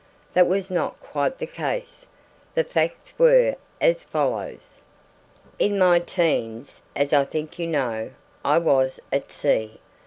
That was not quite the case. The facts were as follows: "In my teens (as I think you know) I was at sea.